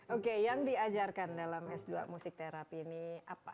oke yang diajarkan dalam s dua musik terapi ini apa